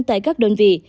tại các đơn vị